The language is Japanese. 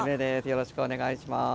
よろしくお願いします。